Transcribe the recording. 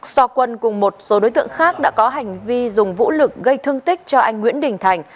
so quân cùng một số đối tượng khác đã có hành vi dùng vũ lực gây thương tích cho anh nguyễn đình thành